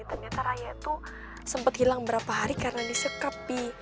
ternyata raya tuh sempet hilang berapa hari karena disekap pi